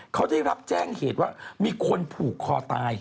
เขาได้รับแจ้งเหตุว่ามีคนผูกคอตาย